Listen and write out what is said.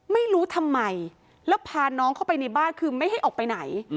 ไม่รู้ทำไมแล้วพาน้องเข้าไปในบ้านคือไม่ให้ออกไปไหน